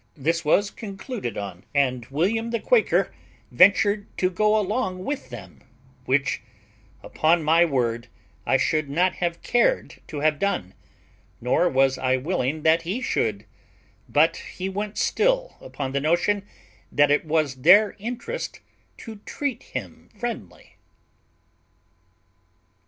This was concluded on, and William the Quaker ventured to go along with them, which, upon my word, I should not have cared to have done, nor was I willing that he should, but he went still upon the notion that it was their interest to treat him friendly.